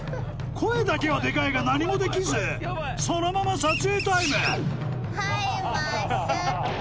声だけはデカいが何もできずそのまま撮影タイムはいマッスル。